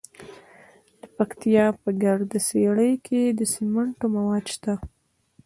د پکتیا په ګرده څیړۍ کې د سمنټو مواد شته.